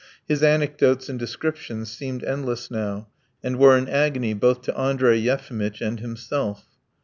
His anecdotes and descriptions seemed endless now, and were an agony both to Andrey Yefimitch and himself.